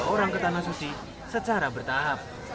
satu ratus tiga puluh dua orang ke tanah susi secara bertahap